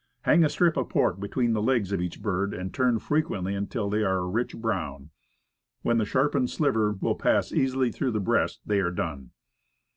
Hang a strip of pork between the legs of each bird, and turn fre quently until they are a rich brown. When the shar pened sliver will pass easily through the breast they are done.